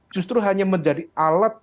justru hanya menjadi alat